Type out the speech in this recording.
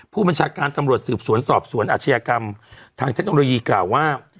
ผู้บัญชาการตำรวจสืบสวนสอบสวนอาชญากรรมทางเทคโนโลยีกล่าวว่า